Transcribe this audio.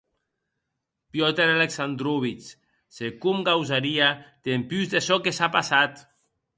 Piotr Aleksandrovich, se com gausaria, dempús de çò que s'a passat!